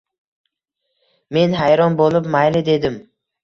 Men hayron bo`lib mayli dedim